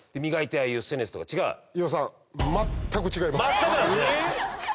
全くなんですね。